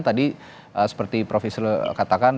tadi seperti profesor katakan